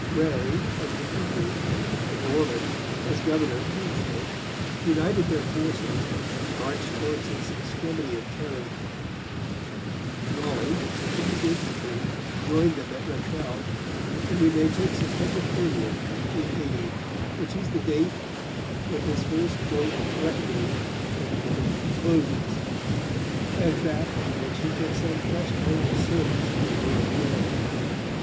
Grey, as Deputy, and Ormond, as governor of Munster, united their forces and marched towards this extremity of Kerry; Raleigh, with his infantry, joined them at Rakele; and we may take September 30, 1580, which is the date when his first 'reckoning' closes, as that on which he took some fresh kind of service under Lord Grey.